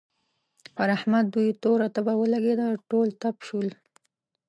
پر احمد دوی توره تبه ولګېده؛ ټول تپ شول.